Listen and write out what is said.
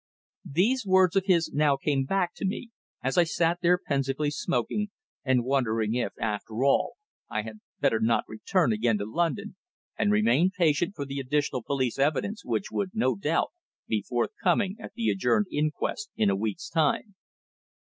These words of his now came back to me as I sat there pensively smoking, and wondering if, after all, I had better not return again to London and remain patient for the additional police evidence which would no doubt be forthcoming at the adjourned inquest in a week's time.